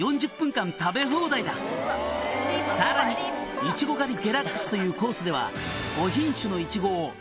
「さらにいちご狩りデラックスというコースでは」